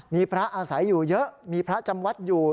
มีพระอาศัยอยู่เยอะมีพระจำวัดอยู่